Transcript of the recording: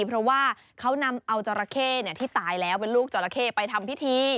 เพราะว่าเขานำเอาจราเข้ที่ตายแล้วเป็นลูกจราเข้ไปทำพิธี